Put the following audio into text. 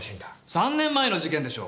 ３年前の事件でしょ。